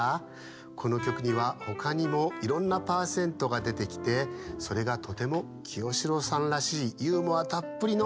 このきょくにはほかにもいろんなパーセントがでてきてそれがとても清志郎さんらしいユーモアたっぷりのすうじになっています。